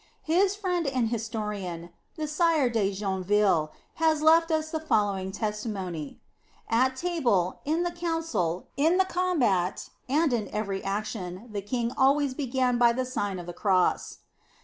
His friend and historian, the Sire de Joinville, has left us the following testimony: "At table, in the council, in the combat, and in every action, the king always began by the Sign of the Cross."